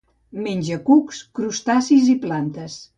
Menja cucs, crustacis i plantes.